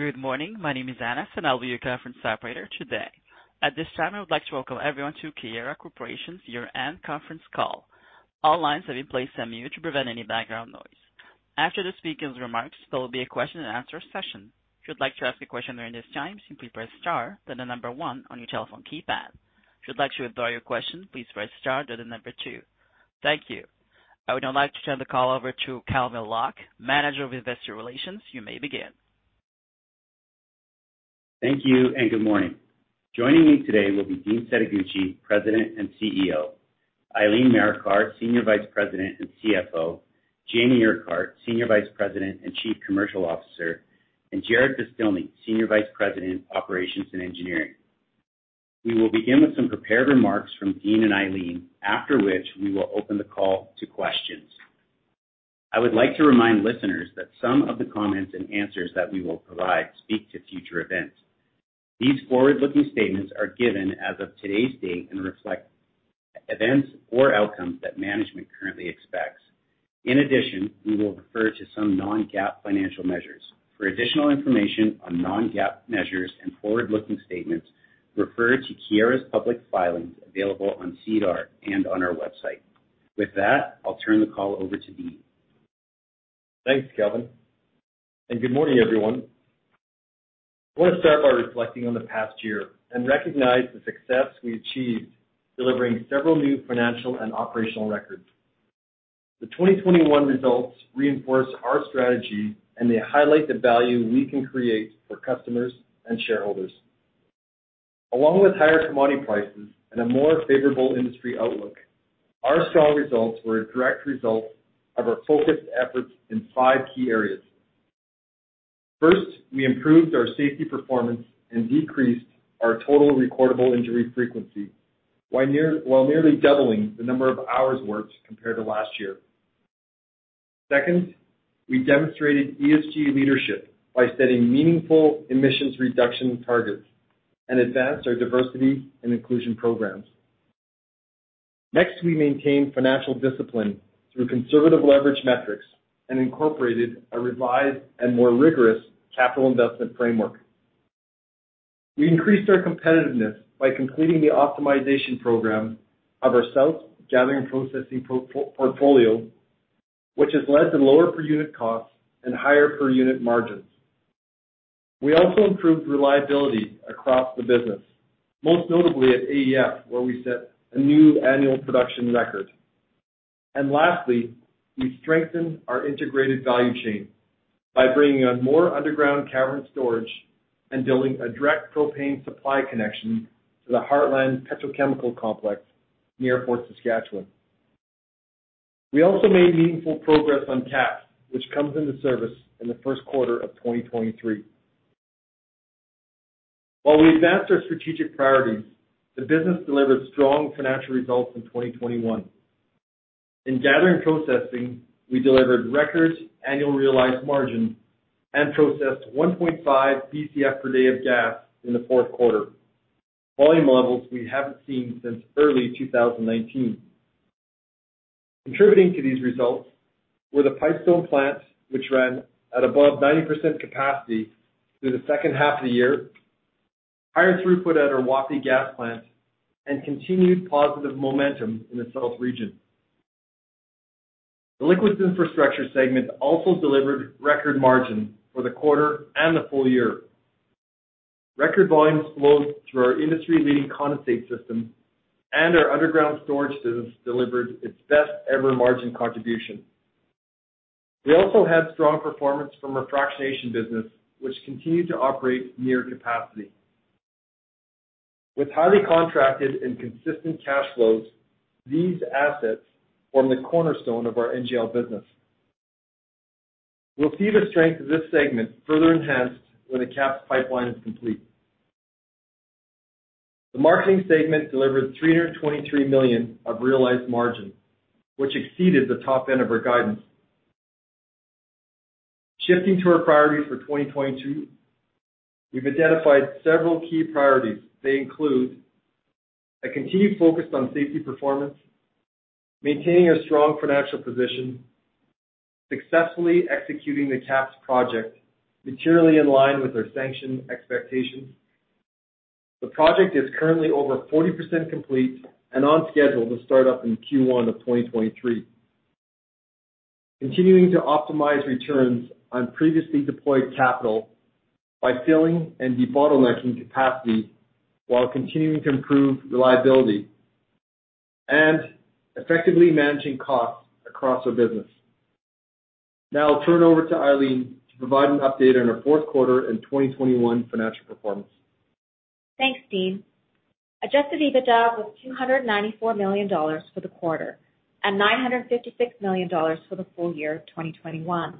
Good morning. My name is Anas, and I'll be your conference operator today. At this time, I would like to welcome everyone to Keyera Corp.'s year-end conference call. All lines have been placed on mute to prevent any background noise. After the speaker's remarks, there will be a question and answer session. If you'd like to ask a question during this time, simply press star, then the number one on your telephone keypad. If you'd like to withdraw your question, please press star, then the number two. Thank you, I would now like to turn the call over to Calvin Lok, Manager of Investor Relations. You may begin. Thank you and good morning. Joining me today will be Dean Setoguchi, President and CEO, Eileen Marikar, SVP and CFO, Jamie Urquhart, SVP and CFO, and Jarrod Beztilny, SVP, Operations and Engineering. We will begin with some prepared remarks from Dean and Eileen, after which we will open the call to questions. I would like to remind listeners that some of the comments and answers that we will provide speak to future events. These forward-looking statements are given as of today's date and reflect events or outcomes that management currently expects. In addition, we will refer to some non-GAAP financial measures. For additional information on non-GAAP measures and forward-looking statements, refer to Keyera's public filings available on SEDAR and on our website. With that, I'll turn the call over to Dean. Thanks, Calvin, and good morning, everyone. I want to start by reflecting on the past year and recognize the success we achieved delivering several new financial and operational records. The 2021 results reinforce our strategy and they highlight the value we can create for customers and shareholders. Along with higher commodity prices and a more favorable industry outlook, our strong results were a direct result of our focused efforts in five key areas. First, we improved our safety performance and decreased our total recordable injury frequency, while nearly doubling the number of hours worked compared to last year. Second, we demonstrated ESG leadership by setting meaningful emissions reduction targets and advanced our diversity and inclusion programs. Next, we maintained financial discipline through conservative leverage metrics and incorporated a revised and more rigorous capital investment framework. We increased our competitiveness by completing the optimization program of our South Gathering and Processing portfolio, which has led to lower per unit costs and higher per unit margins. We also improved reliability across the business, most notably at AEF, where we set a new annual production record. We strengthened our integrated value chain by bringing on more underground cavern storage and building a direct propane supply connection to the Heartland Petrochemical Complex near Fort Saskatchewan. We also made meaningful progress on KAPS, which comes into service in the first quarter of 2023. While we advanced our strategic priorities, the business delivered strong financial results in 2021. In Gathering and Processing, we delivered record annual realized margin and processed 1.5 BCF per day of gas in the Q4, volume levels we haven't seen since early 2019. Contributing to these results were the Pipestone plant, which ran at above 90% capacity through the second half of the year, higher throughput at our Wapiti gas plant, and continued positive momentum in the South region. The Liquids Infrastructure segment also delivered record margin for the quarter and the full year. Record volumes flowed through our industry-leading condensate system, and our underground storage business delivered its best-ever margin contribution. We also had strong performance from fractionation business, which continued to operate near capacity. With highly contracted and consistent cash flows, these assets form the cornerstone of our NGL business. We'll see the strength of this segment further enhanced when the KAPS pipeline is complete. The Marketing segment delivered 323 million of realized margin, which exceeded the top end of our guidance. Shifting to our priorities for 2022, we've identified several key priorities. They include a continued focus on safety performance, maintaining a strong financial position, successfully executing the KAPS project materially in line with our sanction expectations. The project is currently over 40% complete and on schedule to start up in Q1 of 2023. Continuing to optimize returns on previously deployed capital by filling and debottlenecking capacity while continuing to improve reliability and effectively managing costs across our business. Now I'll turn it over to Eileen to provide an update on our Q4 and 2021 financial performance. Thanks, Dean. Adjusted EBITDA was 294 million dollars for the quarter and 956 million dollars for the full year of 2021,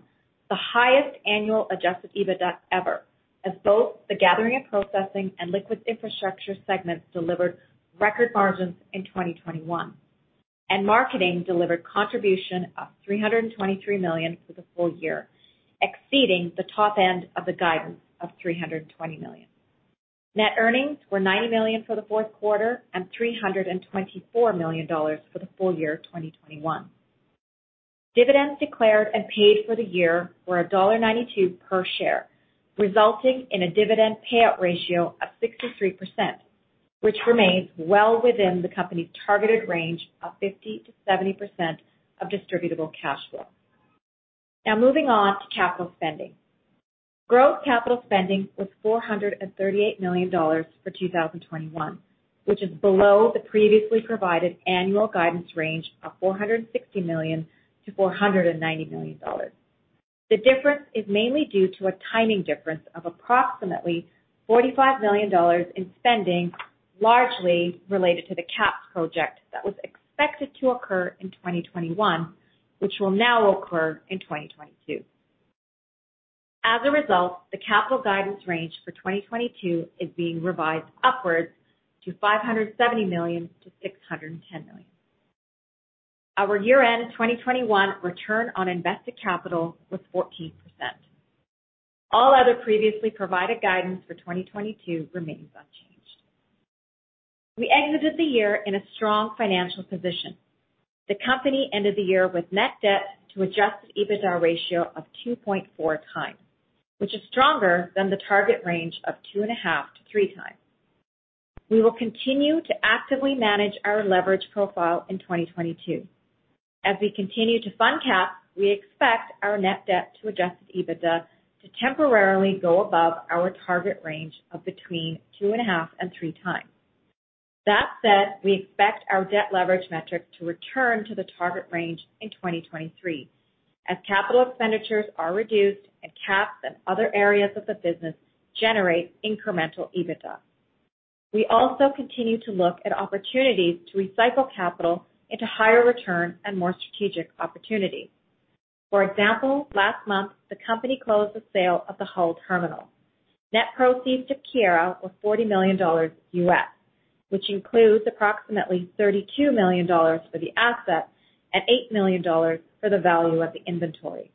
the highest annual adjusted EBITDA ever, as both the Gathering and Processing and Liquids Infrastructure segments delivered record margins in 2021. Marketing delivered contribution of CAD 323 million for the full year, exceeding the top end of the guidance of CAD 320 million. Net earnings were CAD 90 million for the Q4 and CAD 324 million for the full year of 2021. Dividends declared and paid for the year were dollar 1.92 per share, resulting in a dividend payout ratio of 63%, which remains well within the company's targeted range of 50%-70% of distributable cash flow. Now moving on to capital spending. Growth capital spending was 438 million dollars for 2021, which is below the previously provided annual guidance range of 460 million-490 million dollars. The difference is mainly due to a timing difference of approximately 45 million dollars in spending, largely related to the KAPS project that was expected to occur in 2021, which will now occur in 2022. As a result, the capital guidance range for 2022 is being revised upwards to 570 million-610 million. Our year-end 2021 return on invested capital was 14%. All other previously provided guidance for 2022 remains unchanged. We exited the year in a strong financial position. The company ended the year with net debt to adjusted EBITDA ratio of 2.4×, which is stronger than the target range of 2.5-3×. We will continue to actively manage our leverage profile in 2022. As we continue to fund KAPS, we expect our net debt to adjusted EBITDA to temporarily go above our target range of between 2.5×-3×. That said, we expect our debt leverage metric to return to the target range in 2023 as capital expenditures are reduced and KAPS in other areas of the business generate incremental EBITDA. We also continue to look at opportunities to recycle capital into higher return and more strategic opportunities. For example, last month, the company closed the sale of the Hull terminal. Net proceeds to Keyera were $40 million, which includes approximately $32 million for the asset and $8 million for the value of the inventory.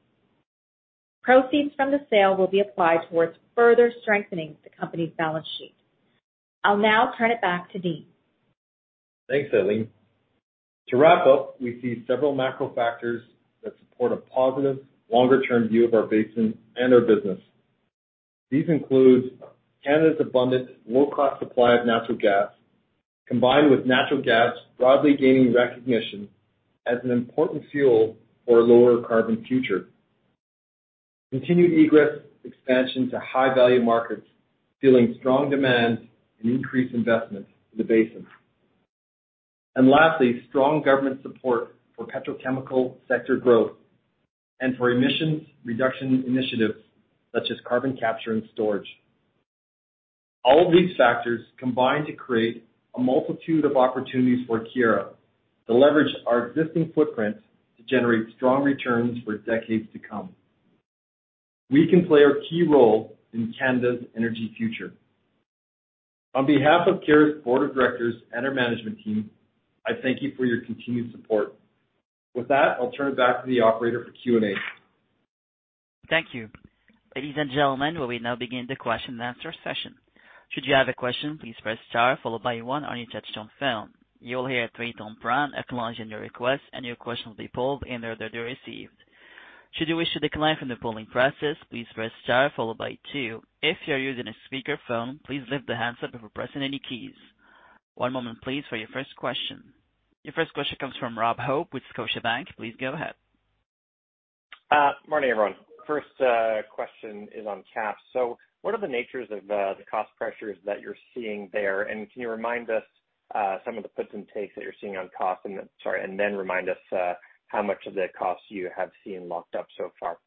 Proceeds from the sale will be applied towards further strengthening the company's balance sheet. I'll now turn it back to Dean. Thanks, Eileen. To wrap up, we see several macro factors that support a positive longer-term view of our basin and our business. These include Canada's abundant low-cost supply of natural gas, combined with natural gas broadly gaining recognition as an important fuel for a lower carbon future. Continued egress expansion to high-value markets, fueling strong demand and increased investment in the basin. Lastly, strong government support for petrochemical sector growth and for emissions reduction initiatives such as carbon capture and storage. All of these factors combine to create a multitude of opportunities for Keyera to leverage our existing footprint to generate strong returns for decades to come. We can play a key role in Canada's energy future. On behalf of Keyera's board of directors and our management team, I thank you for your continued support. With that, I'll turn it back to the operator for Q&A. Thank you. Ladies and gentlemen, we will now begin the question and answer session. Should you have a question, please press star followed by one on your touchtone phone. You will hear a three-tone prompt acknowledging your request, and your question will be pulled in the order they're received. Should you wish to decline from the polling process, please press star followed by two. If you are using a speakerphone, please lift the handset before pressing any keys. One moment, please, for your first question. Your first question comes from Robert Hope with Scotiabank. Please go ahead. Morning, everyone. First question is on KAPS. What are the natures of the cost pressures that you're seeing there? And can you remind us some of the puts and takes that you're seeing on costs, and then, sorry, and then remind us how much of the costs you have seen locked up so far?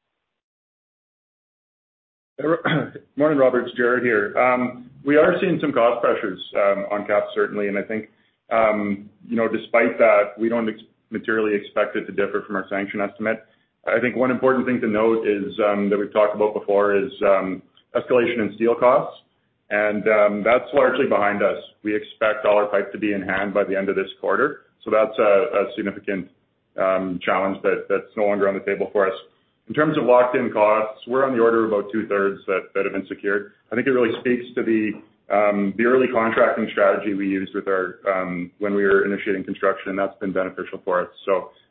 Morning, Robert. It's Jarrod here. We are seeing some cost pressures on KAPS, certainly. I think, you know, despite that, we don't materially expect it to differ from our sanction estimate. I think one important thing to note is that we've talked about before is escalation in steel costs, and that's largely behind us. We expect all our pipe to be in hand by the end of this quarter, so that's a significant challenge that's no longer on the table for us. In terms of locked-in costs, we're on the order of about two-thirds that have been secured. I think it really speaks to the early contracting strategy we used when we were initiating construction, and that's been beneficial for us.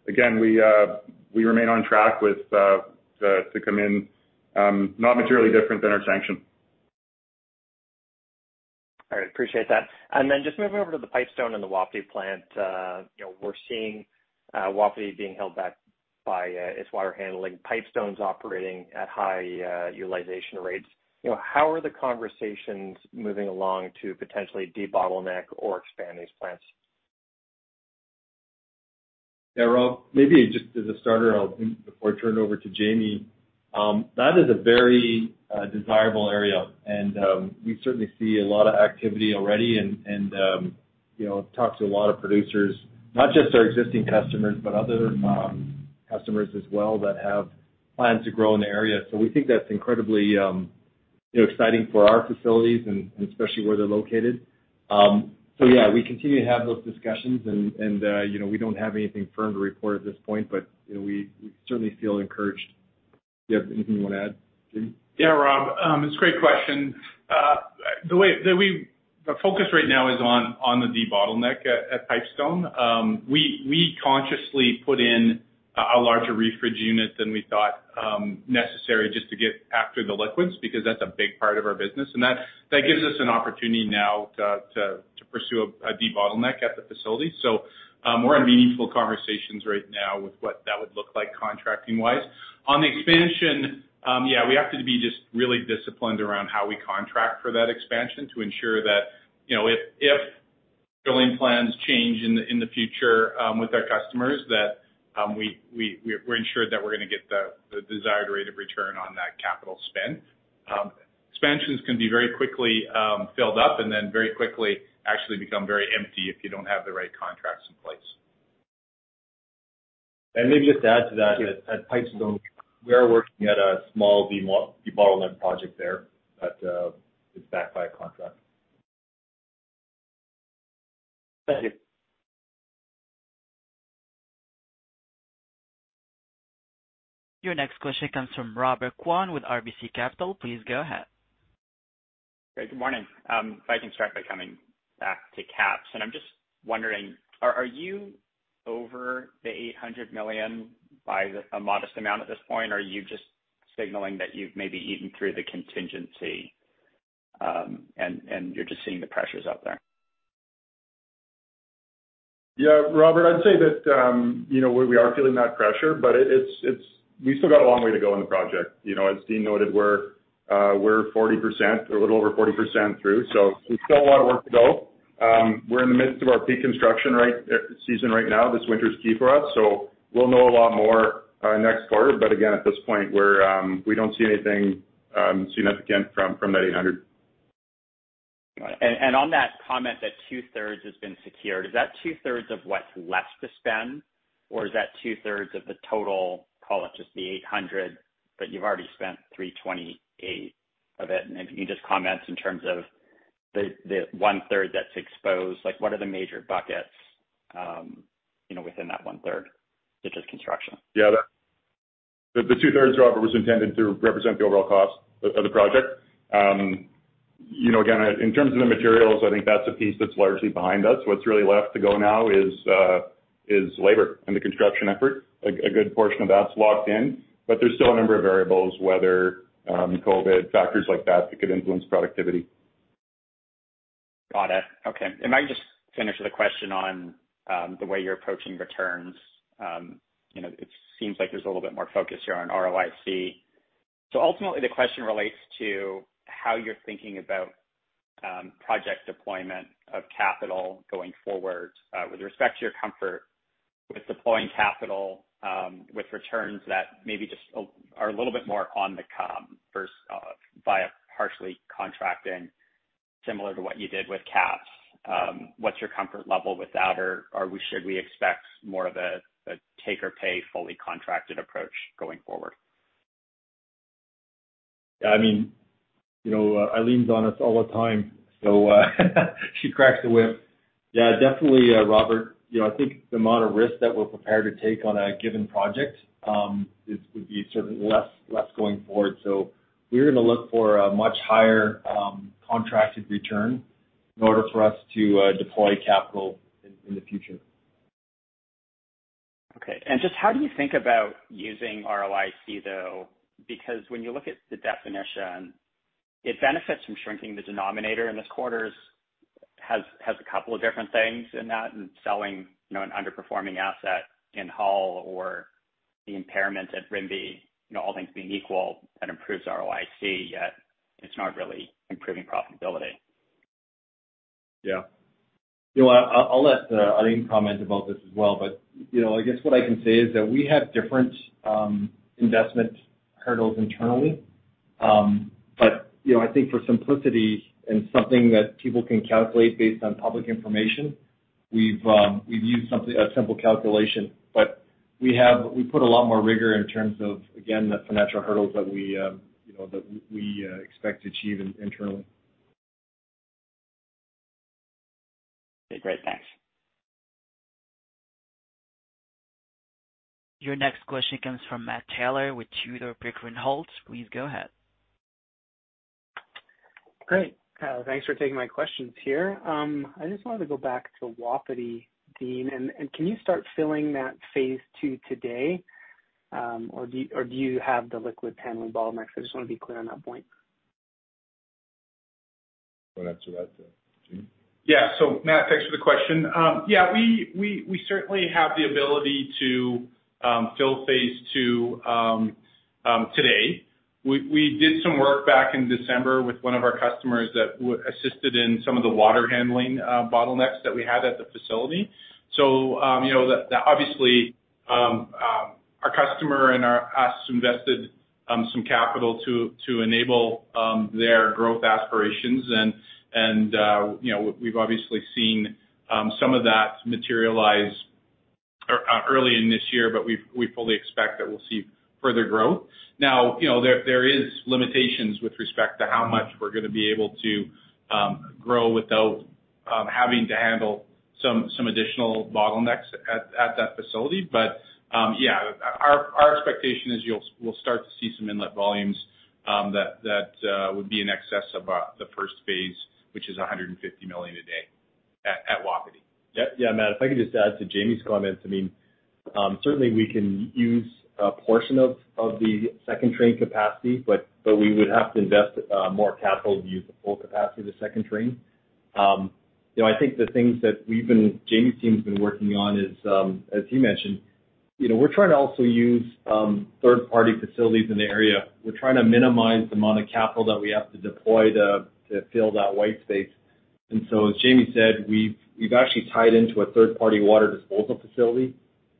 Again, we remain on track to come in not materially different than our guidance. All right. Appreciate that. Just moving over to the Pipestone and the Wapiti plant. You know, we're seeing Wapiti being held back by its water handling. Pipestone's operating at high utilization rates. You know, how are the conversations moving along to potentially debottleneck or expand these plants? Yeah, Rob, maybe just as a starter, I'll take it before I turn it over to Jamie. That is a very desirable area, and we certainly see a lot of activity already and you know talk to a lot of producers, not just our existing customers, but other customers as well that have plans to grow in the area. We think that's incredibly you know exciting for our facilities and especially where they're located. Yeah, we continue to have those discussions and you know we don't have anything firm to report at this point, but you know we certainly feel encouraged. Do you have anything you want to add, Dean? Yeah, Rob, it's a great question. The focus right now is on the debottleneck at Pipestone. We consciously put in a larger refrige unit than we thought necessary just to get after the liquids, because that's a big part of our business. That gives us an opportunity now to pursue a debottleneck at the facility. We're in meaningful conversations right now with what that would look like contracting-wise. On the expansion, yeah, we have to be just really disciplined around how we contract for that expansion to ensure that, you know, if drilling plans change in the future with our customers, that we're ensured that we're gonna get the desired rate of return on that capital spend. Expansions can be very quickly filled up and then very quickly actually become very empty if you don't have the right contracts in place. Maybe just to add to that. At Pipestone, we are working at a small demo-debottleneck project there that is backed by a contract. Thank you. Your next question comes from Robert Kwan with RBC Capital. Please go ahead. Great. Good morning. If I can start by coming back to CapEx. I'm just wondering, are you over the 800 million by a modest amount at this point, or are you just signaling that you've maybe eaten through the contingency, and you're just seeing the pressures out there? Yeah, Robert, I'd say that, you know, we are feeling that pressure, but we still got a long way to go in the project. You know, as Dean noted, we're 40%, a little over 40% through, so we've still a lot of work to go. We're in the midst of our peak construction season right now. This winter is key for us, so we'll know a lot more next quarter. Again, at this point we don't see anything significant from that 800. All right. On that comment that two-thirds has been secured, is that two-thirds of what's left to spend, or is that two-thirds of the total, call it just 800, but you've already spent 328 of it? If you can just comment in terms of the one-third that's exposed, like, what are the major buckets, you know, within that one-third, such as construction? Yeah. The two-thirds Robert was intended to represent the overall cost of the project. You know again in terms of the materials I think that's a piece that's largely behind us. What's really left to go now is labor and the construction effort. A good portion of that's locked in, but there's still a number of variables, weather, COVID, factors like that that could influence productivity. Got it. Okay. Might I just finish with a question on the way you're approaching returns. You know, it seems like there's a little bit more focus here on ROIC. Ultimately, the question relates to how you're thinking about project deployment of capital going forward, with respect to your comfort with deploying capital, with returns that maybe just are a little bit more on the come versus via partially contracting, similar to what you did with CapEx. What's your comfort level with that? Or we should expect more of a take or pay fully contracted approach going forward? Yeah, I mean, you know, Eileen's on us all the time, so she cracks the whip. Yeah, definitely, Robert. You know, I think the amount of risk that we're prepared to take on a given project would be certainly less going forward. We're gonna look for a much higher contracted return in order for us to deploy capital in the future. Just how do you think about using ROIC, though? Because when you look at the definition, it benefits from shrinking the denominator, and this quarter's has a couple of different things in that, in selling, you know, an underperforming asset in Hull or the impairment at Rimbey. You know, all things being equal, that improves ROIC, yet it's not really improving profitability. Yeah. You know, I'll let Eileen comment about this as well. You know, I guess what I can say is that we have different investment hurdles internally. You know, I think for simplicity and something that people can calculate based on public information, we've used something, a simple calculation. We put a lot more rigor in terms of, again, the financial hurdles that we, you know, expect to achieve internally. Okay. Great. Thanks. Your next question comes from Matt Taylor with Tudor, Pickering, Holt & Co. Please go ahead. Great. Thanks for taking my questions here. I just wanted to go back to Wapiti, Dean. Can you start filling that phase two today, or do you have the liquid handling bottlenecks? I just wanna be clear on that point. You wanna answer that, Dean? Yeah. Matt, thanks for the question. We certainly have the ability to fill phase two today. We did some work back in December with one of our customers that assisted in some of the water handling bottlenecks that we had at the facility. You know, obviously, our customer and us invested some capital to enable their growth aspirations and, you know, we've obviously seen some of that materialize early in this year, but we fully expect that we'll see further growth. Now, you know, there is limitations with respect to how much we're gonna be able to grow without having to handle some additional bottlenecks at that facility. Our expectation is we'll start to see some inlet volumes that would be in excess of the first phase, which is 150 million a day at Wapiti. Yeah, yeah, Matt, if I could just add to Jamie's comments. I mean, certainly we can use a portion of the second train capacity, but we would have to invest more capital to use the full capacity of the second train. You know, I think the things that Jamie's team's been working on is, as he mentioned, you know, we're trying to also use third-party facilities in the area. We're trying to minimize the amount of capital that we have to deploy to fill that white space. As Jamie said, we've actually tied into a third-party water disposal facility.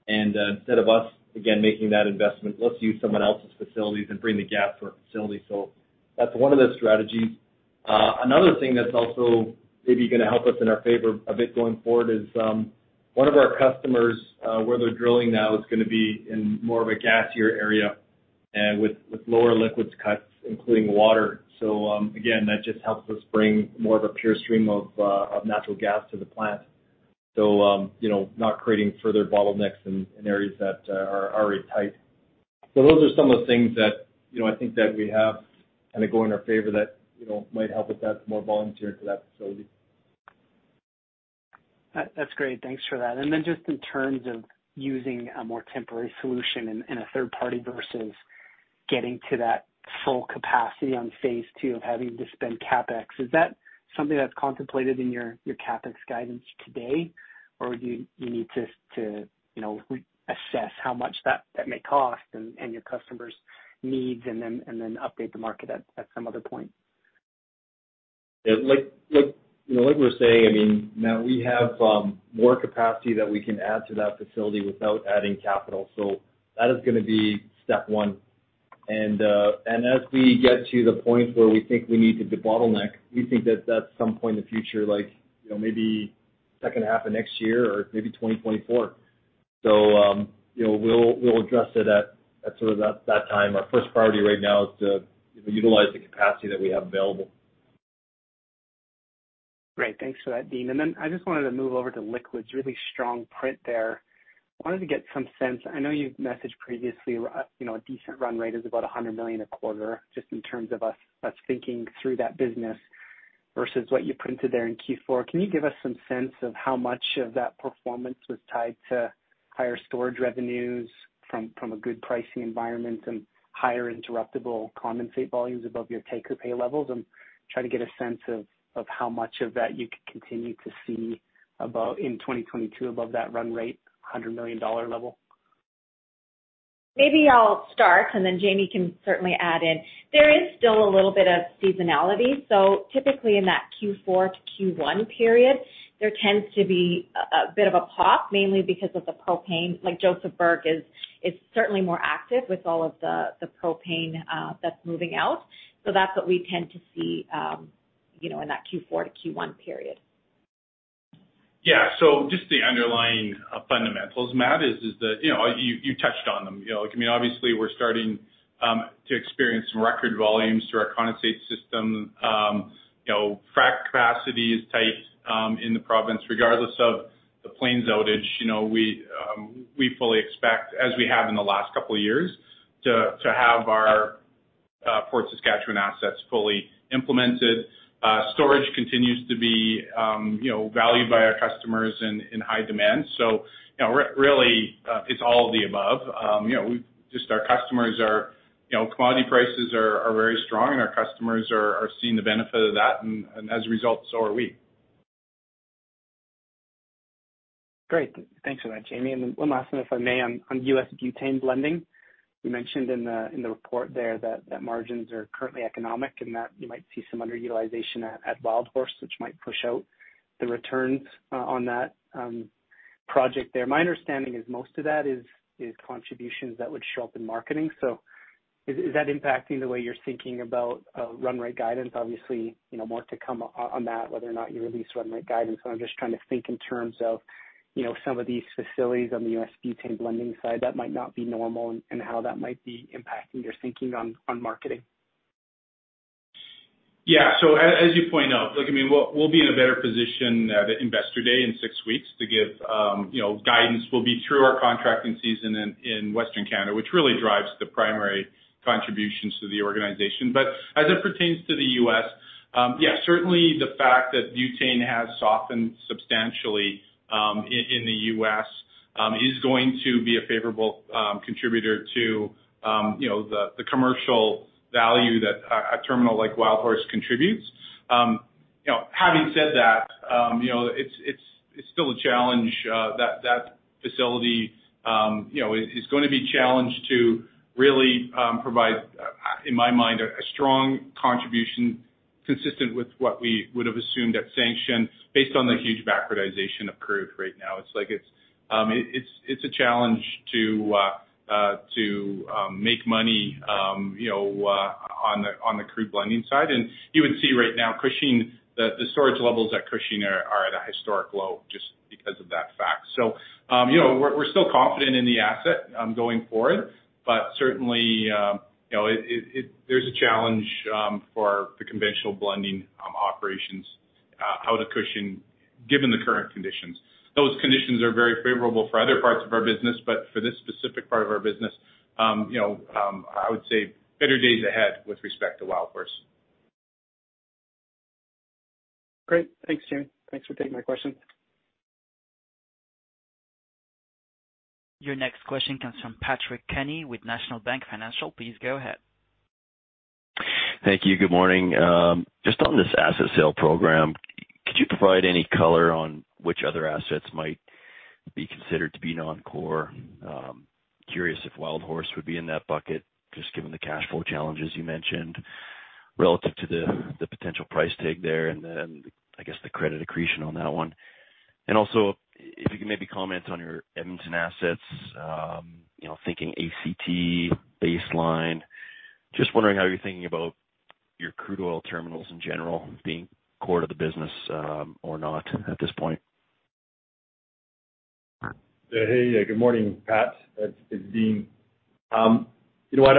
And instead of us, again, making that investment, let's use someone else's facilities and bring the gas to our facility. That's one of the strategies. Another thing that's also maybe gonna help us in our favor a bit going forward is one of our customers where they're drilling now is gonna be in more of a gassier area and with lower liquids cuts, including water. Again, that just helps us bring more of a pure stream of natural gas to the plant. You know, not creating further bottlenecks in areas that are already tight. Those are some of the things that, you know, I think that we have kind of going in our favor that, you know, might help us add more volume to that facility. That's great. Thanks for that. Just in terms of using a more temporary solution and a third party versus getting to that full capacity on phase two of having to spend CapEx, is that something that's contemplated in your CapEx guidance today? Or do you need to, you know, assess how much that may cost and your customers' needs and then update the market at some other point? Yeah, like, you know, like we were saying, I mean, Matt, we have more capacity that we can add to that facility without adding capital. That is gonna be step one. As we get to the point where we think we need to debottleneck, we think that that's some point in the future, like, you know, maybe second half of next year or maybe 2024. You know, we'll address it at sort of that time. Our first priority right now is to utilize the capacity that we have available. Great. Thanks for that, Dean. I just wanted to move over to liquids. Really strong print there. Wanted to get some sense. I know you've messaged previously, you know, a decent run rate is about 100 million a quarter, just in terms of us thinking through that business versus what you printed there in Q4. Can you give us some sense of how much of that performance was tied to higher storage revenues from a good pricing environment and higher interruptible condensate volumes above your take or pay levels and try to get a sense of how much of that you could continue to see above in 2022 above that run rate, 100 million dollar level? Maybe I'll start, and then Jamie can certainly add in. There is still a little bit of seasonality. Typically in that Q4 to Q1 period, there tends to be a bit of a pop, mainly because of the propane. Like Josephburg is certainly more active with all of the propane that's moving out. That's what we tend to see, you know, in that Q4 to Q1 period. Yeah. Just the underlying fundamentals, Matt, is that, you know, you touched on them. You know, I mean, obviously we're starting to experience some record volumes through our condensate system. You know, frack capacity is tight in the province, regardless of the Plains outage. You know, we fully expect, as we have in the last couple of years, to have our Fort Saskatchewan assets fully implemented. Storage continues to be, you know, valued by our customers in high demand. You know, really, it's all of the above. You know, just our customers are. You know, commodity prices are very strong, and our customers are seeing the benefit of that, and as a result, so are we. Great. Thanks for that, Jamie. One last one, if I may, on U.S. butane blending. You mentioned in the report there that margins are currently economic and that you might see some underutilization at Wildhorse, which might push out the returns on that project there. My understanding is most of that is contributions that would show up in Marketing. Is that impacting the way you're thinking about run rate guidance? Obviously, you know, more to come on that, whether or not you release run rate guidance. I'm just trying to think in terms of, you know, some of these facilities on the U.S. butane blending side that might not be normal and how that might be impacting your thinking on Marketing. Yeah. As you point out, look, I mean, we'll be in a better position at Investor Day in six weeks to give, you know, guidance. We'll be through our contracting season in Western Canada, which really drives the primary contributions to the organization. As it pertains to the U.S., yeah, certainly the fact that butane has softened substantially in the U.S. is going to be a favorable contributor to, you know, the commercial value that a terminal like Wildhorse contributes. You know, having said that, you know, it's still a challenge that that facility, you know, is gonna be challenged to really provide, in my mind, a strong contribution consistent with what we would've assumed at sanction based on the huge backwardation of crude right now. It's like it's a challenge to make money, you know, on the crude blending side. You would see right now Cushing, the storage levels at Cushing are at a historic low just because of that fact. You know, we're still confident in the asset going forward. Certainly, you know, there's a challenge for the conventional blending operations, how to cushion given the current conditions. Those conditions are very favorable for other parts of our business, but for this specific part of our business, you know, I would say better days ahead with respect to Wildhorse. Great. Thanks, Jamie. Thanks for taking my question. Your next question comes from Patrick Kenny with National Bank Financial. Please go ahead. Thank you. Good morning. Just on this asset sale program, could you provide any color on which other assets might be considered to be non-core? Curious if Wildhorse would be in that bucket, just given the cash flow challenges you mentioned relative to the potential price tag there, and then I guess the credit accretion on that one. Also if you could maybe comment on your Edmonton assets, you know, thinking at Base Line. Just wondering how you're thinking about your crude oil terminals in general being core to the business, or not at this point. Hey. Good morning, Pat. It's Dean. You know what?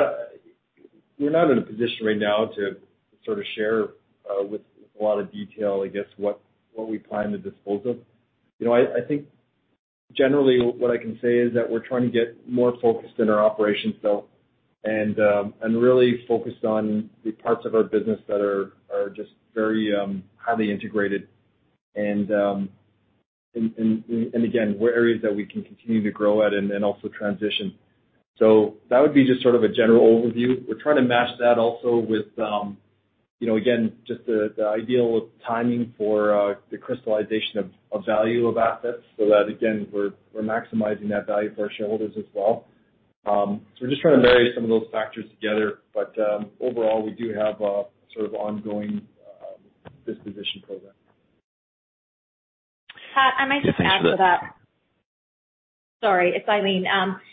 We're not in a position right now to sort of share with a lot of detail, I guess what we plan to dispose of. You know, I think generally what I can say is that we're trying to get more focused in our operations though, and really focused on the parts of our business that are just very highly integrated. Again, where areas that we can continue to grow at and also transition. That would be just sort of a general overview. We're trying to match that also with, you know, again, just the ideal of timing for the crystallization of value of assets so that, again, we're maximizing that value for our shareholders as well. We're just trying to marry some of those factors together. Overall, we do have a sort of ongoing disposition program. Pat, I might just add to that. Yeah, thanks for that. Sorry, it's Eileen.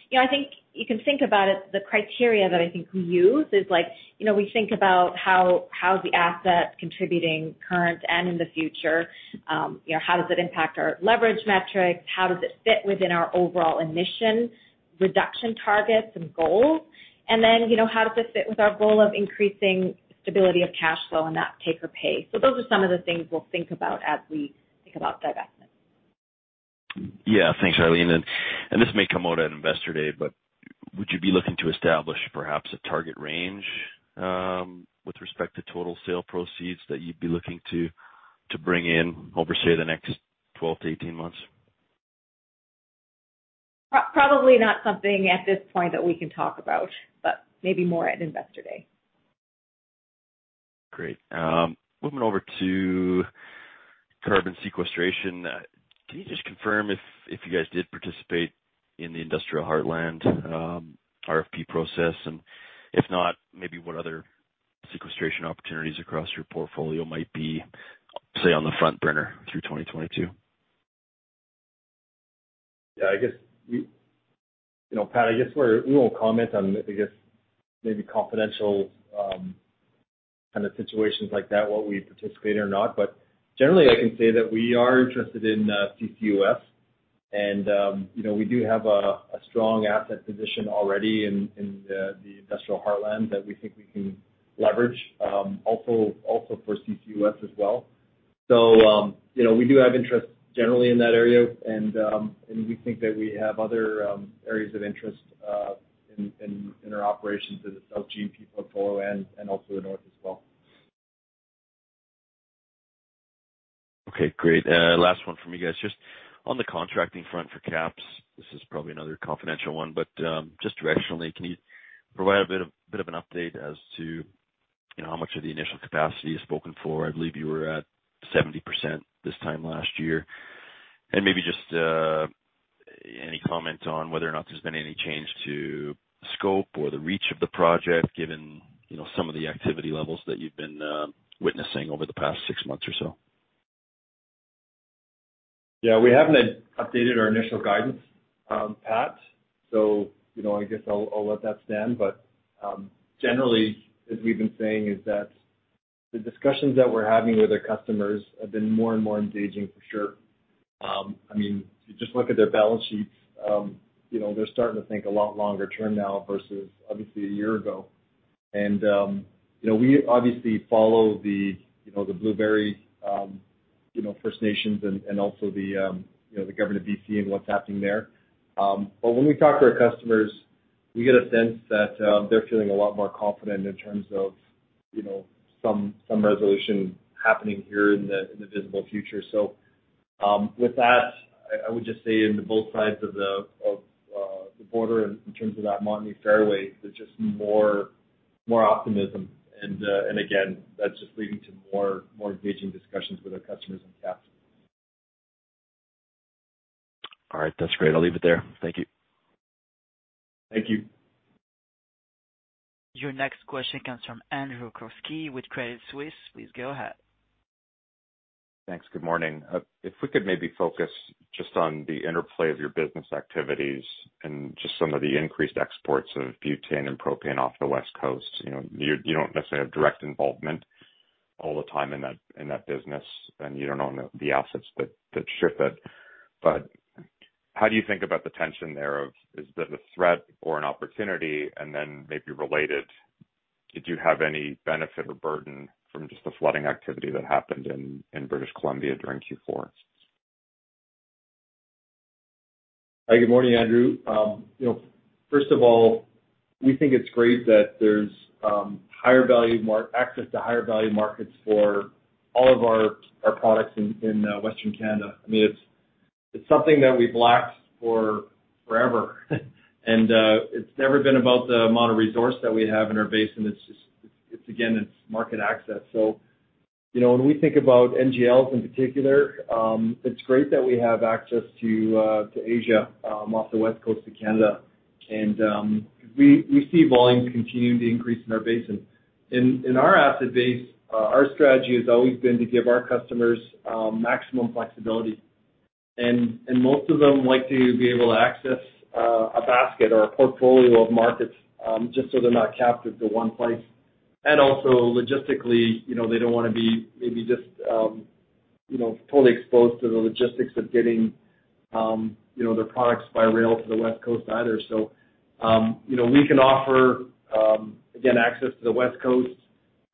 You know, I think you can think about it, the criteria that I think we use is like, you know, we think about how is the asset contributing currently and in the future? You know, how does it impact our leverage metrics? How does it fit within our overall emission reduction targets and goals? And then, you know, how does it fit with our goal of increasing stability of cash flow and not take or pay. So those are some of the things we'll think about as we think about divestment. Yeah. Thanks, Eileen. This may come out at Investor Day, but would you be looking to establish perhaps a target range with respect to total sale proceeds that you'd be looking to bring in over, say, the next 12-18 months? Probably not something at this point that we can talk about, but maybe more at Investor Day. Great. Moving over to carbon sequestration. Can you just confirm if you guys did participate in the Industrial Heartland RFP process? If not, maybe what other sequestration opportunities across your portfolio might be, say, on the front burner through 2022? Yeah, you know, Pat, I guess we won't comment on, I guess, maybe confidential kind of situations like that, whether we participate or not. Generally, I can say that we are interested in CCUS and, you know, we do have a strong asset position already in the Industrial Heartland that we think we can leverage, also for CCUS as well. You know, we do have interest generally in that area. We think that we have other areas of interest in our operations in the south G&P portfolio and also in north as well. Okay, great. Last one from you guys. Just on the contracting front for KAPS, this is probably another confidential one, but just directionally, can you provide a bit of an update as to, you know, how much of the initial capacity is spoken for? I believe you were at 70% this time last year. Maybe just any comment on whether or not there's been any change to scope or the reach of the project, given, you know, some of the activity levels that you've been witnessing over the past six months or so? Yeah, we haven't updated our initial guidance, Pat. You know, I guess I'll let that stand. Generally, as we've been saying is that the discussions that we're having with our customers have been more and more engaging for sure. I mean, if you just look at their balance sheets, you know, they're starting to think a lot longer term now versus obviously a year ago. You know, we obviously follow the Blueberry, you know, First Nations and also the government of B.C. and what's happening there. When we talk to our customers, we get a sense that they're feeling a lot more confident in terms of, you know, some resolution happening here in the visible future. With that, I would just say on both sides of the border in terms of that Montney Fairway, there's just more optimism. Again, that's just leading to more engaging discussions with our customers and CapEx. All right. That's great. I'll leave it there. Thank you. Thank you. Your next question comes from Andrew Kuske with Credit Suisse. Please go ahead. Thanks. Good morning. If we could maybe focus just on the interplay of your business activities and just some of the increased exports of butane and propane off the West Coast. You know, you don't necessarily have direct involvement all the time in that business, and you don't own the assets that ship it. How do you think about the tension there of, is that a threat or an opportunity? Maybe related, did you have any benefit or burden from just the flooding activity that happened in British Columbia during Q4? Hi, good morning, Andrew. You know, first of all, we think it's great that there's access to higher value markets for all of our products in Western Canada. I mean, it's something that we've lacked for forever. It's never been about the amount of resource that we have in our basin. It's just again, it's market access. You know, when we think about NGLs in particular, it's great that we have access to Asia off the West Coast of Canada. We see volumes continuing to increase in our basin. In our asset base, our strategy has always been to give our customers maximum flexibility. Most of them like to be able to access a basket or a portfolio of markets, just so they're not captive to one place. Also, logistically, you know, they don't wanna be maybe just, you know, fully exposed to the logistics of getting, you know, their products by rail to the West Coast either. You know, we can offer again access to the West Coast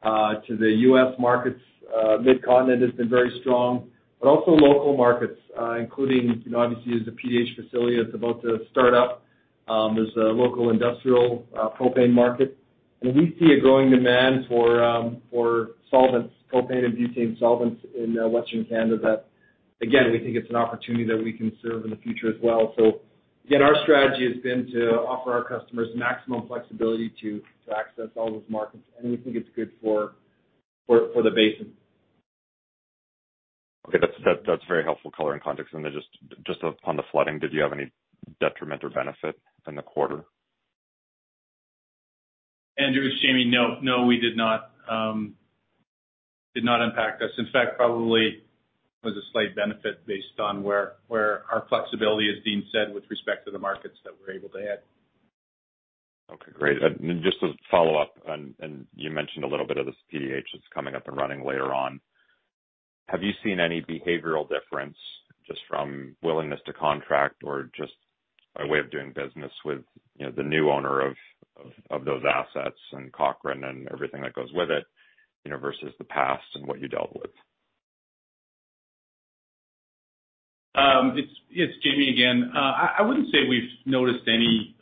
to the U.S. markets. Mid-Continent has been very strong. Also local markets, including, you know, obviously, there's a PDH facility that's about to start up as a local industrial propane market. We see a growing demand for solvents, propane and butane solvents in Western Canada that, again, we think it's an opportunity that we can serve in the future as well. Again, our strategy has been to offer our customers maximum flexibility to access all those markets, and we think it's good for the basin. Okay. That's very helpful color and context. Just upon the flooding, did you have any detriment or benefit in the quarter? Andrew, it's Jamie. No, it did not impact us. In fact, it probably was a slight benefit based on where our flexibility, as Dean said, with respect to the markets that we're able to hit. Okay, great. Just to follow up on what you mentioned a little bit of this PDH that's coming up and running later on. Have you seen any behavioral difference just from willingness to contract or just a way of doing business with, you know, the new owner of those assets and Cochrane and everything that goes with it, you know, versus the past and what you dealt with? It's Jamie again. I wouldn't say we've noticed any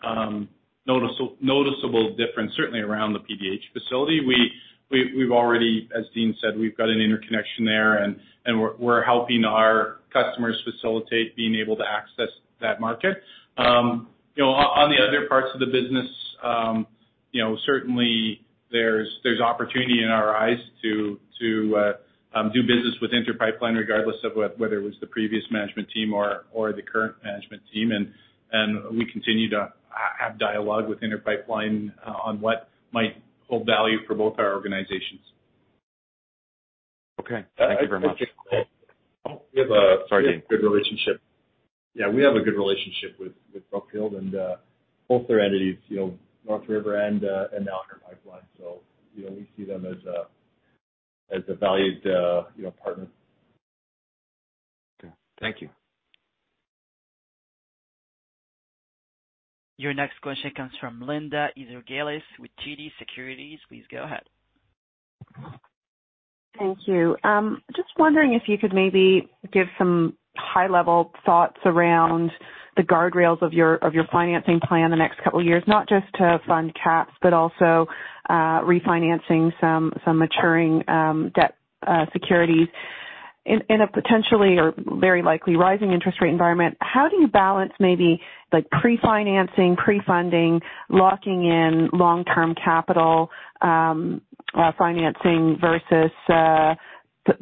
noticeable difference, certainly around the PDH facility. We've already, as Dean said, we've got an interconnection there and we're helping our customers facilitate being able to access that market. You know, on the other parts of the business, you know, certainly there's opportunity in our eyes to do business with Inter Pipeline regardless of whether it was the previous management team or the current management team. We continue to have dialogue with Inter Pipeline on what might hold value for both our organizations. Okay. Thank you very much. I think. Oh, sorry, Dean. We have a good relationship. Yeah, we have a good relationship with Brookfield and both their entities, you know, NorthRiver and now Inter Pipeline. You know, we see them as a valued partner. Okay. Thank you. Your next question comes from Linda Ezergailis with TD Securities. Please go ahead. Thank you. Just wondering if you could maybe give some high-level thoughts around the guardrails of your financing plan the next couple years, not just to fund CapEx, but also refinancing some maturing debt securities. In a potentially or very likely rising interest rate environment, how do you balance maybe like pre-financing, pre-funding, locking in long-term capital financing versus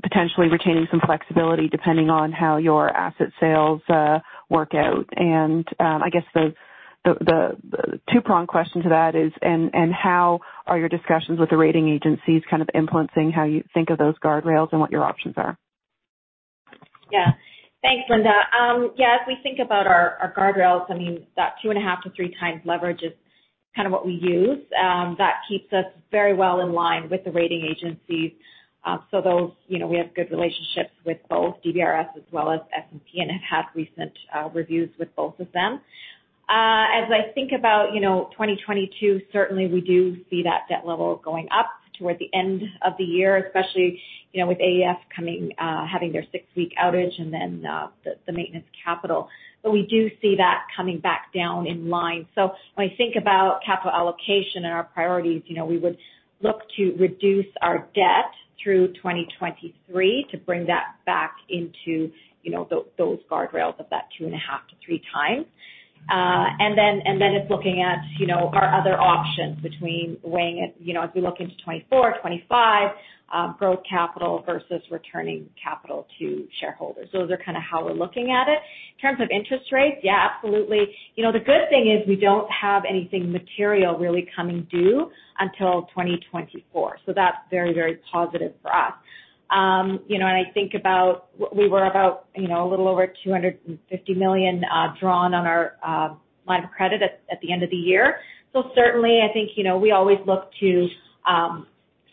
potentially retaining some flexibility depending on how your asset sales work out? I guess the two-prong question to that is how are your discussions with the rating agencies kind of influencing how you think of those guardrails and what your options are? Yeah. Thanks, Linda. Yeah, as we think about our guardrails, I mean, that 2.5-3× leverage is kind of what we use. That keeps us very well in line with the rating agencies. So those, you know, we have good relationships with both DBRS as well as S&P and have had recent reviews with both of them. As I think about, you know, 2022, certainly we do see that debt level going up toward the end of the year, especially, you know, with AEF coming, having their six-week outage and then the maintenance capital. We do see that coming back down in line. When we think about capital allocation and our priorities, you know, we would look to reduce our debt through 2023 to bring that back into, you know, those guardrails of that 2.5-3×. Then it's looking at, you know, our other options between weighing it, you know, as we look into 2024, 2025, growth capital versus returning capital to shareholders. Those are kind of how we're looking at it. In terms of interest rates, yeah, absolutely. You know, the good thing is we don't have anything material really coming due until 2024, so that's very, very positive for us. You know, I think about we were about, you know, a little over 250 million drawn on our line of credit at the end of the year. Certainly, I think, you know, we always look to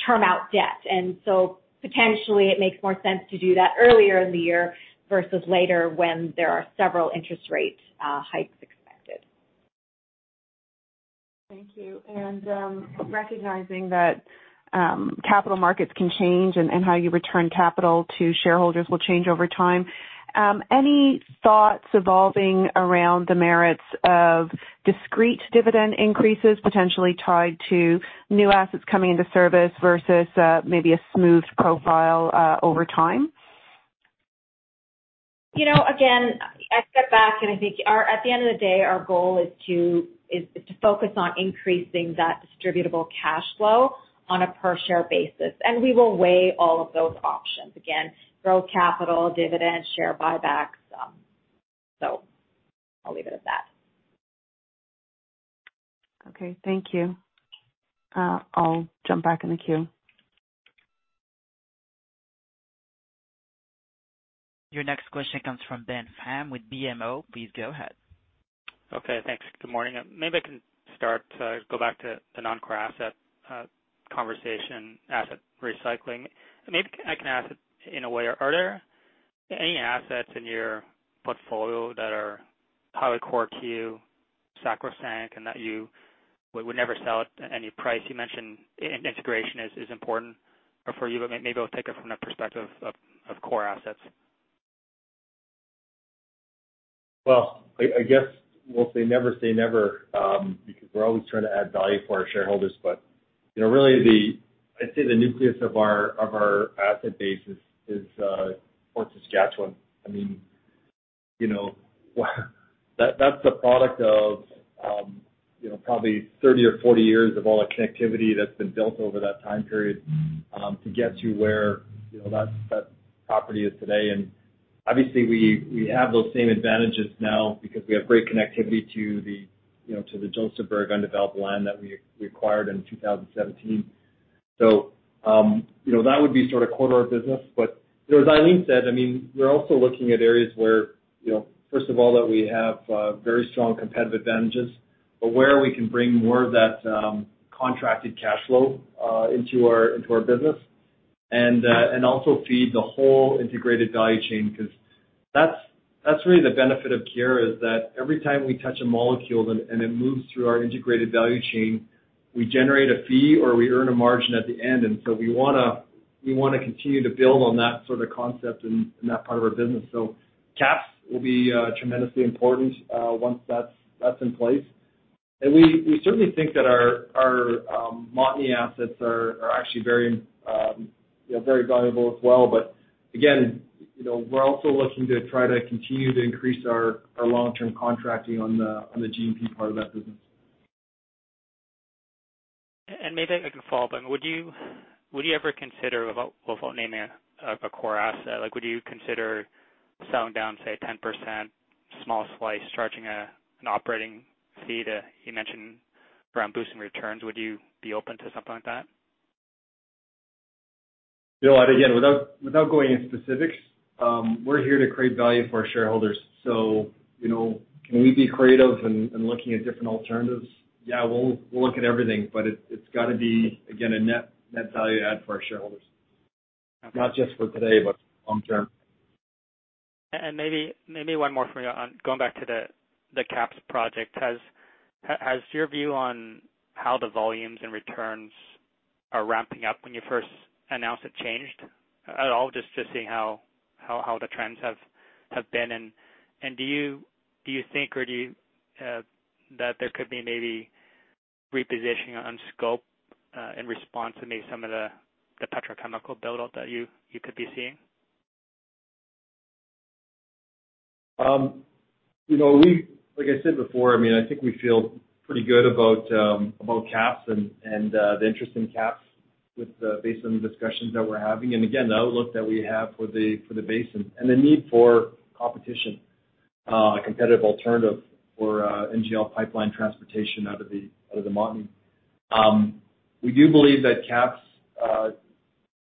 term out debt, and so potentially it makes more sense to do that earlier in the year versus later when there are several interest rate hikes expected. Thank you. Recognizing that capital markets can change and how you return capital to shareholders will change over time, any thoughts evolving around the merits of discrete dividend increases potentially tied to new assets coming into service versus maybe a smooth profile over time? You know, again, I step back and I think our, at the end of the day, our goal is to focus on increasing that distributable cash flow on a per share basis. We will weigh all of those options. Again, grow capital, dividends, share buybacks. I'll leave it at that. Okay. Thank you. I'll jump back in the queue. Your next question comes from Ben Pham with BMO. Please go ahead. Okay. Thanks. Good morning. Maybe I can start to go back to the non-core asset conversation, asset recycling. Maybe I can ask it in a way, are there any assets in your portfolio that are highly core to you, sacrosanct, and that you would never sell at any price? You mentioned integration is important for you, but maybe I'll take it from the perspective of core assets. Well, I guess we'll say never say never, because we're always trying to add value for our shareholders. You know, really, I'd say the nucleus of our asset base is Fort Saskatchewan. I mean, you know, that's a product of probably 30 or 40 years of all the connectivity that's been built over that time period to get to where, you know, that property is today. Obviously we have those same advantages now because we have great connectivity to the, you know, to the Josephburg undeveloped land that we acquired in 2017. You know, that would be sort of core to our business. As Eileen said, I mean, we're also looking at areas where, you know, first of all, that we have very strong competitive advantages, but where we can bring more of that contracted cash flow into our business and also feed the whole integrated value chain. 'Cause that's really the benefit of Keyera is that every time we touch a molecule and it moves through our integrated value chain, we generate a fee or we earn a margin at the end. We wanna continue to build on that sort of concept in that part of our business. KAPS will be tremendously important once that's in place. We certainly think that our Montney assets are actually very, you know, very valuable as well. Again, you know, we're also looking to try to continue to increase our long-term contracting on the G&P part of that business. Maybe I can follow up. Would you ever consider, without naming a core asset, like would you consider selling down, say, 10% small slice, charging an operating fee to... You mentioned around boosting returns. Would you be open to something like that? Bill, again, without going into specifics, we're here to create value for our shareholders. You know, can we be creative in looking at different alternatives? Yeah, we'll look at everything, but it's going to be, again, a net value add for our shareholders. Okay. Not just for today, but long term. Maybe one more for you. On going back to the KAPS project. Has your view on how the volumes and returns are ramping up when you first announced it changed at all? Just seeing how the trends have been. Do you think or do you that there could be maybe repositioning on scope in response to maybe some of the petrochemical build up that you could be seeing? You know, like I said before, I mean, I think we feel pretty good about KAPS and the interest in KAPS based on the discussions that we're having. Again, the outlook that we have for the basin and the need for competition, a competitive alternative for NGL pipeline transportation out of the Montney. We do believe that KAPS,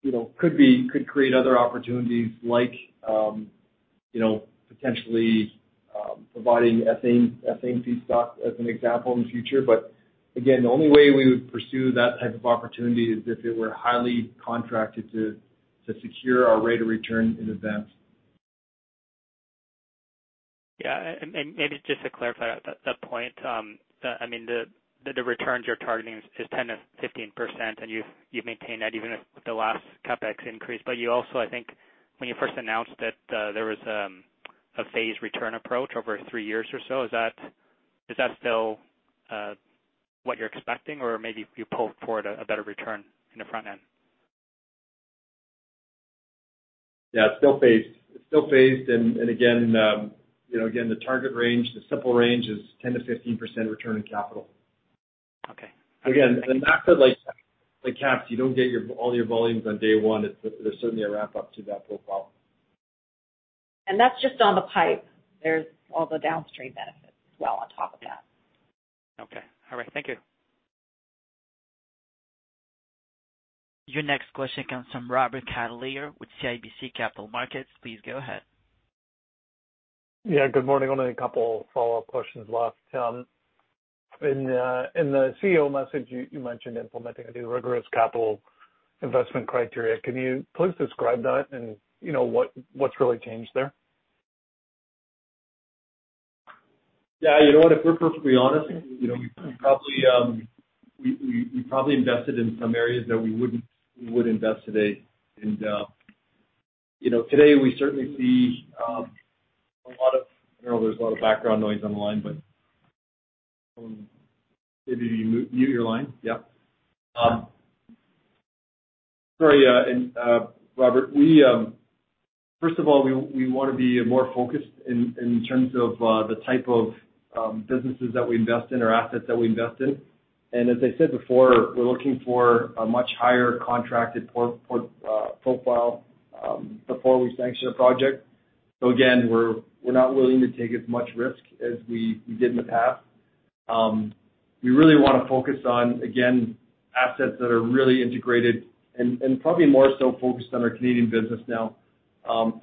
you know, could create other opportunities like, you know, potentially providing ethane feedstock as an example in the future. Again, the only way we would pursue that type of opportunity is if it were highly contracted to secure our rate of return in advance. Yeah. Maybe just to clarify that point, I mean, the returns you're targeting is 10%-15%, and you've maintained that even with the last CapEx increase. You also, I think, when you first announced that, there was a phased return approach over three years or so, is that still what you're expecting? Or maybe you pulled forward a better return in the front end? Yeah, it's still phased. Again, you know, again, the target range, the simple range is 10%-15% return on capital. Okay. Again, back to like KAPS, you don't get all your volumes on day one. There's certainly a ramp up to that profile. That's just on the pipe. There's all the downstream benefits as well on top of that. Okay. All right. Thank you. Your next question comes from Robert Catellier with CIBC Capital Markets. Please go ahead. Yeah. Good morning. Only a couple follow-up questions, Loch. In the CEO message, you mentioned implementing a new rigorous capital investment criteria. Can you please describe that and you know, what's really changed there? Yeah. You know what? If we're perfectly honest, you know, we probably invested in some areas that we wouldn't invest today. I know there's a lot of background noise on the line, but maybe mute your line. Yeah. Sorry, Robert, we first of all wanna be more focused in terms of the type of businesses that we invest in or assets that we invest in. As I said before, we're looking for a much higher contracted portfolio profile before we sanction a project. Again, we're not willing to take as much risk as we did in the past. We really wanna focus on, again, assets that are really integrated and probably more so focused on our Canadian business now.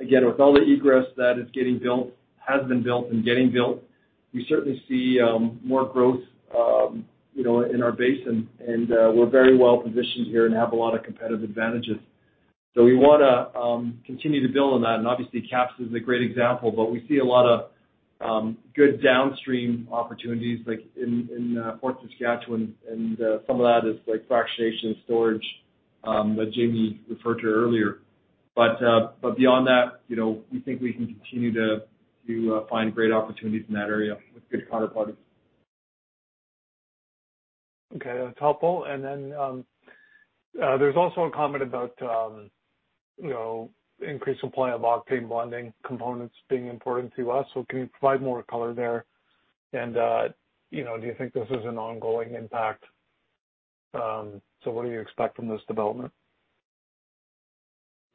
Again, with all the egress that is getting built, has been built and getting built, we certainly see more growth, you know, in our basin. We're very well positioned here and have a lot of competitive advantages. We wanna continue to build on that. Obviously, KAPS is a great example, but we see a lot of good downstream opportunities like in Fort Saskatchewan, and some of that is like fractionation storage that Jamie referred to earlier. Beyond that, you know, we think we can continue to find great opportunities in that area with good counterparties. Okay. That's helpful. There's also a comment about, you know, increased supply of octane blending components being imported to U.S. Can you provide more color there? You know, do you think this is an ongoing impact? What do you expect from this development?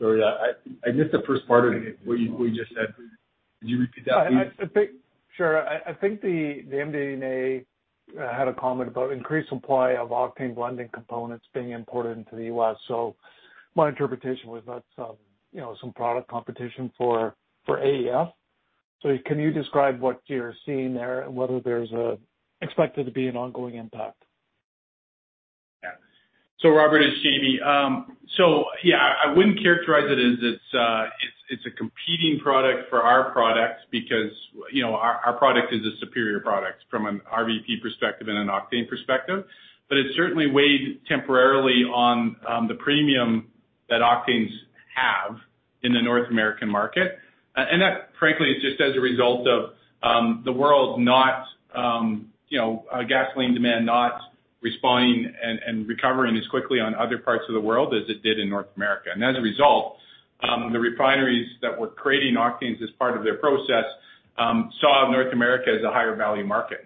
Sorry, I missed the first part of what you just said. Could you repeat that, please? I think the MD&A had a comment about increased supply of octane blending components being imported into the U.S. My interpretation was that's you know some product competition for AEF. Can you describe what you're seeing there and whether there's an expected to be an ongoing impact? Yeah. Robert, it's Jamie. I wouldn't characterize it as it's a competing product for our product because, you know, our product is a superior product from an RVP perspective and an octane perspective. It certainly weighed temporarily on the premium that octanes have in the North American market. That frankly is just as a result of gasoline demand not responding and recovering as quickly on other parts of the world as it did in North America. As a result, the refineries that were creating octanes as part of their process saw North America as a higher value market.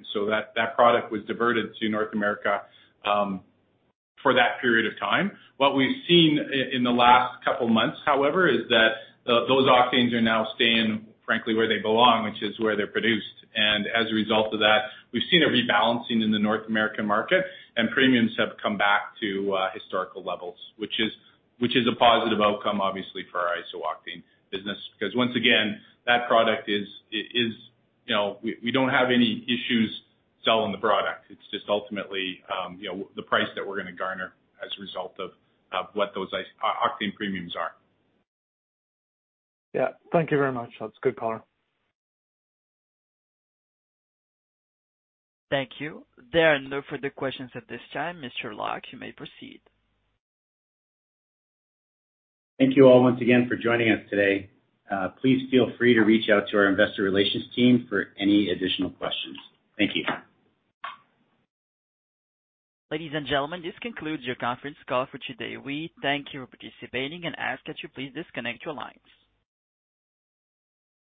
That product was diverted to North America for that period of time. What we've seen in the last couple months, however, is that those octanes are now staying frankly where they belong, which is where they're produced. As a result of that, we've seen a rebalancing in the North American market and premiums have come back to historical levels, which is a positive outcome obviously for our isooctane business. Because once again, that product is, you know, we don't have any issues selling the product. It's just ultimately, you know, the price that we're gonna garner as a result of what those isooctane premiums are. Yeah. Thank you very much. That's a good color. Thank you. There are no further questions at this time. Mr. Lok, you may proceed. Thank you all once again for joining us today. Please feel free to reach out to our investor relations team for any additional questions. Thank you. Ladies and gentlemen, this concludes your conference call for today. We thank you for participating and ask that you please disconnect your lines.